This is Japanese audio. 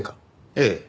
ええ。